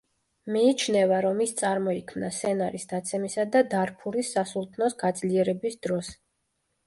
მიიჩნევა, რომ ის წარმოიქმნა სენარის დაცემისა და დარფურის სასულთნოს გაძლიერების დროს.